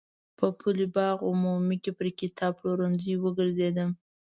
په پل باغ عمومي کې پر کتاب پلورونکو وګرځېدم.